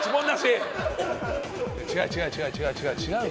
違う違う違う違う違う。